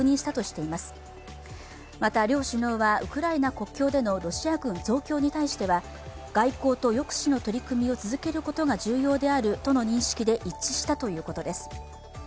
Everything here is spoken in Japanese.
また両首脳はウクライナ国境でのロシア軍増強に対しては、外交と抑止の取り組みを続けることが重要であるとの認識で一致したとのことです。